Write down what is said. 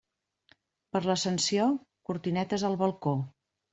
Per l'Ascensió, cortinetes al balcó.